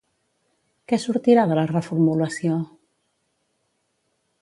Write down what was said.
Què sortirà de la reformulació?